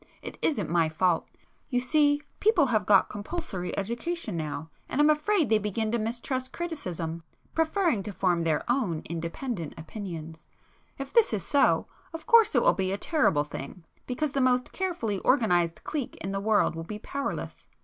It isn't my fault. You see people have got Compulsory Education now, and I'm afraid they begin to mistrust criticism, preferring to form their own independent opinions; if this is so, of course it will be a terrible thing, because the most carefully organized clique in the world will be powerless.